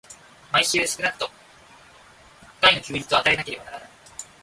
毎週少くとも一回の休日を与えなければならない。